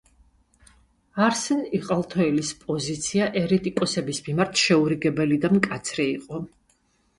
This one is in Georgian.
არსენ იყალთოელის პოზიცია ერეტიკოსების მიმართ შეურიგებელი და მკაცრი იყო.